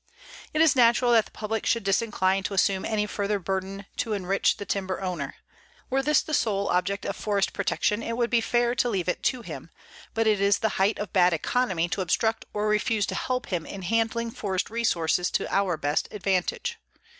It is natural that the public should disincline to assume any further burden to enrich the timber owner. Were this the sale object of forest protection it would be fair to leave it to him. But it is the height of bad economy to obstruct or refuse to help him in handling forest resources to our best advantage.